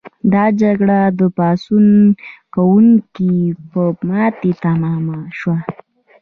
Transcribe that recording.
دا جګړه د پاڅون کوونکو په ماتې تمامه شوه.